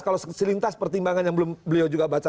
kalau selintas pertimbangan yang belum beliau juga baca